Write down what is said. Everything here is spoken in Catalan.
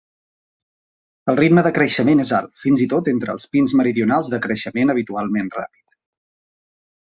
El ritme de creixement és alt, fins i tot entre els pins meridionals de creixement habitualment ràpid.